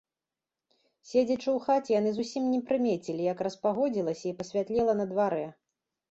Седзячы ў хаце, яны зусім не прымецілі, як распагодзілася і пасвятлела на дварэ.